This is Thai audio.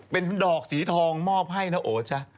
เป็นดอกสีทองมอบให้นะโอจ๊ะ